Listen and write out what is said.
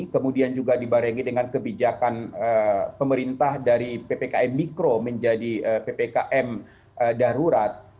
kemudian juga dibarengi dengan kebijakan pemerintah dari ppkm mikro menjadi ppkm darurat